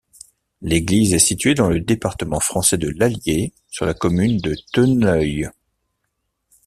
L'église est située dans le département français de l'Allier, sur la commune de Theneuille.